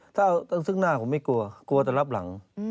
ถ้าซึ่งหน้าผมไม่กลัวกลัวจะรับหลัง